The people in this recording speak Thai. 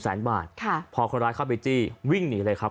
แสนบาทค่ะพอคนร้ายเข้าไปจี้วิ่งหนีเลยครับ